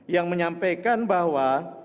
yang menyampaikan bahwa